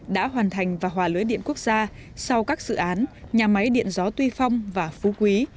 đã hoàn thành và hòa lưới điện quốc gia sau các dự án nhà máy điện gió tuy phong và phú quý